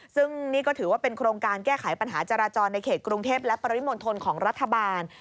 ซึ่งนี่ก็ถือว่าเป็นโครงการแก้ไขปัญหาจราจรในเขตกรุงเทพและปริมณฑลของรัฐบาล